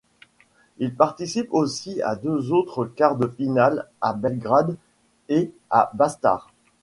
Il participe aussi à deux autres quarts de finale à Belgrade et à Båstad.